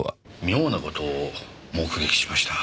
妙な事を目撃しました。